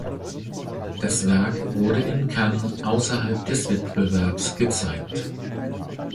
Das Werk wurde in Cannes außerhalb des Wettbewerbs gezeigt.